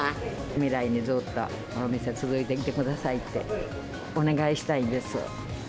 未来までずっとこのお店、続いていってくださいってお願いしたいです。